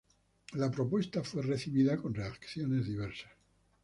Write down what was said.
La propuesta fue recibida con reacciones diversas.